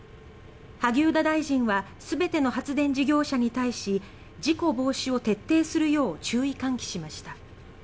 萩生田大臣はすべての発電事業者に対し事故防止を徹底するよう注意喚起しました。